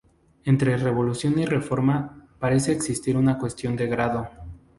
Entre revolución y reforma parece existir una cuestión de grado.